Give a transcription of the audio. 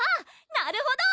なるほど！